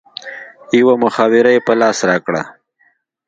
يوه مخابره يې په لاس راکړه.